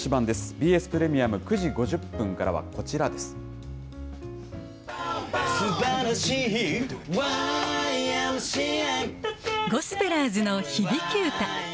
ＢＳプレミアム、９時５０分からゴスペラーズの響歌。